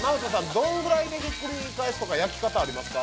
どんぐらいでひっくり返すとか焼き方ありますか？